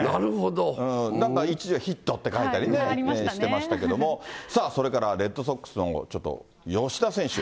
一時はヒットって書いたりね、してましたけど、さあそれから、レッドソックスのちょっと、吉田選手。